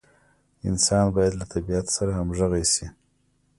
انسان باید له طبیعت سره همغږي شي.